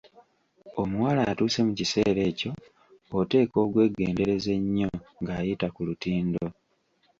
Omuwala atuuse mu kiseera ekyo oteekwa okwegendereza ennyo ng'ayita ku lutindo.